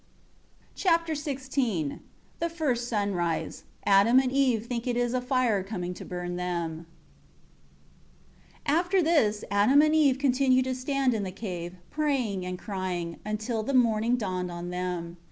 Chapter XVI The first sunrise. Adam and Eve think it is a fire coming to burn them. 1 After this, Adam and Eve continued to stand in the cave, praying and crying, until the morning dawned on them.